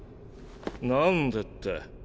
なんでって。